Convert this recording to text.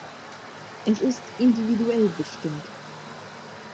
Es ist individuell bestimmt.